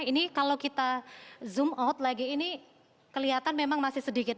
ini kalau kita zoom out lagi ini kelihatan memang masih sedikit